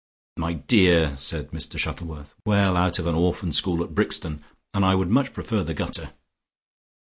"My dear!" said Mr Shuttleworth. "Well, out of an orphan school at Brixton and I would much prefer the gutter.